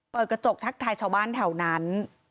เปิดกระจกทักทายชาวบ้านแถวนั้น